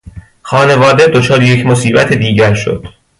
خانواده دچار یک مصیبت دیگر شد.